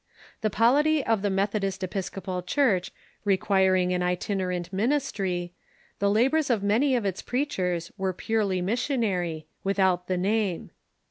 The polity of the Methodist Episcopal Church requiring an itinerant min istry, the labors of many of its preachers were purely mis sionary, without the name.